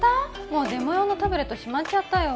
もうデモ用のタブレットしまっちゃったよ